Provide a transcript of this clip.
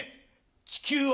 地球は